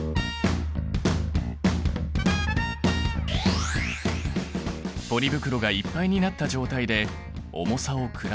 ポリ袋がいっぱいになった状態で重さを比べてみると。